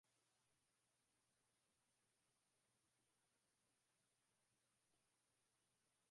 a la kuzingatia ni maamuzi yetu ya kwamba yana maana gani kwa watu